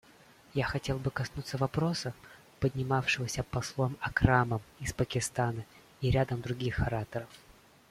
Я хотел бы коснуться вопроса, поднимавшегося послом Акрамом из Пакистана и рядом других ораторов.